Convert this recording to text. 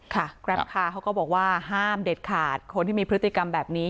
กราฟคาร์เขาก็บอกว่าห้ามเด็ดขาดคนที่มีพฤติกรรมแบบนี้